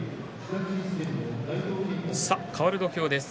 かわる土俵です。